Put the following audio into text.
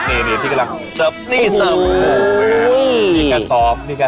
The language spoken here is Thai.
นี่สิ